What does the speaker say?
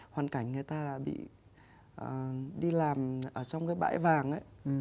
hoàn cảnh người ta là bị đi làm ở trong cái bãi vàng ấy